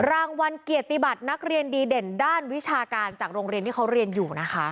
รางวัลเกียรติบัตรนักเรียนดีเด่นด้านวิชาการจากโรงเรียนที่เขาเรียนอยู่นะคะ